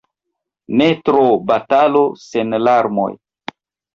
Ne tro: batalo sen larmoj.